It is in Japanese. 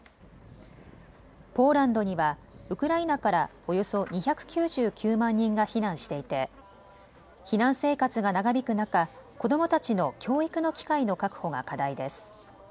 ポーランドにはウクライナからおよそ２９９万人が避難していて避難生活が長引く中、子どもたちの教育の機会の確保が課題です。